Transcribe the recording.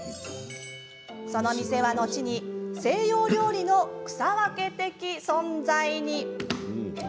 その店は後に西洋料理の草分け的存在に。